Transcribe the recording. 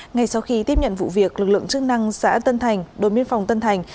ngay sau khi tiếp nhận vụ việc lực lượng chức năng xã tân thành đồn biên phòng tân thành